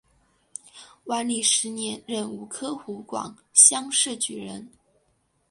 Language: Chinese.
万历十年壬午科湖广乡试举人。